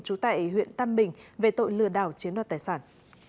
trú tại huyện tam bình về tội lừa đảo chiếm đoạt tài sản